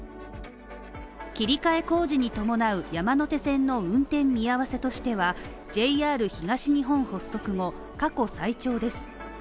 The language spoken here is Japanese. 切り替え工事に伴う山手線の運転見合わせとしては、ＪＲ東日本発足後過去最長です。